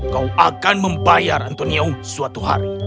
kau akan membayar antonio suatu hari